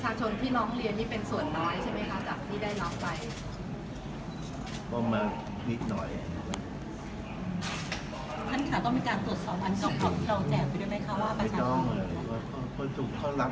แม่งแม่งแม่งแม่งแม่งแม่งแม่งแม่งแม่งแม่งแม่งแม่ง